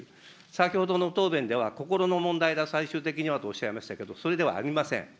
先ほどの答弁では心の問題だ、最終的にはとおっしゃいましたけれども、それではありません。